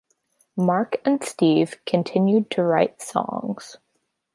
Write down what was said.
Mark and Steve continued to write songs.